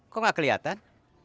kok gak keliatan